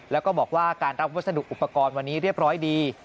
แล้วก็บอกว่าการรับวัสดุอุปกรณ์วันนี้เรียบร้อยดี